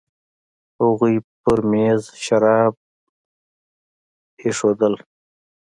هغوی په میز شراب ایشخېشل.